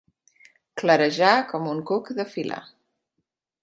Clarejar com un cuc de filar.